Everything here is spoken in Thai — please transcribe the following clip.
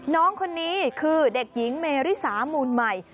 น้องคนนี้คือเด็กหญิงเมริสามูลใหม่